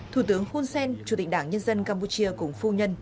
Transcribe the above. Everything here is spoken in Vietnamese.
thủ tướng hun sen chủ tịch đảng nhân dân campuchia cùng phu nhân